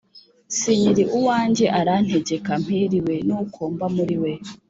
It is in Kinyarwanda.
Sinkiri uwanjye arantegeka mpiriwe nuko mba muriwe